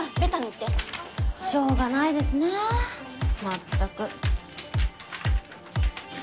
しょうがないですねまったく。